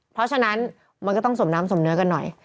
เพราะฉะนั้นมันก็ต้องสมน้ำสมเนื้อกันหน่อย